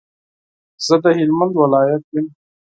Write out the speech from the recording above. زه د هلمند ولایت یم.